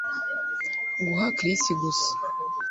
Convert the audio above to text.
Guha Chris gusa